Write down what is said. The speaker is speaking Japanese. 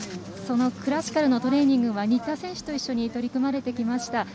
クラシカルのトレーニングは新田選手と一緒に取り組まれてきました。